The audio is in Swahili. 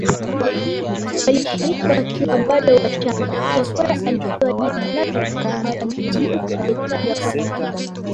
walifariki wakiwa bado wachangaChakwera alipewa jina Lazarus ambalo ni la mtu aliyetajwa kwenye